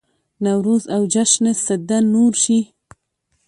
نوروز او جشن سده نور شي.